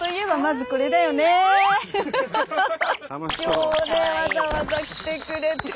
今日ねわざわざ来てくれて。